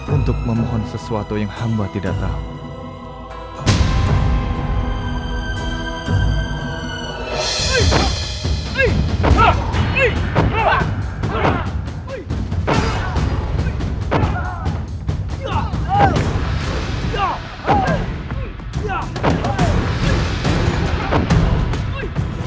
untuk memohon sesuatu yang hamba tidak tahu